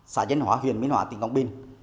xã dân hóa huyện minh hóa tỉnh quảng bình